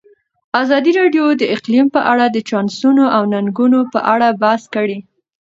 ازادي راډیو د اقلیم په اړه د چانسونو او ننګونو په اړه بحث کړی.